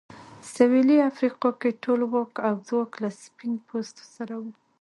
سوېلي افریقا کې ټول واک او ځواک له سپین پوستو سره و.